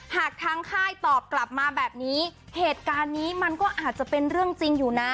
หากทางค่ายตอบกลับมาแบบนี้เหตุการณ์นี้มันก็อาจจะเป็นเรื่องจริงอยู่นะ